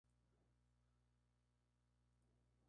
Se trata de un caso particular del Teorema central del límite.